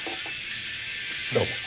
どうも。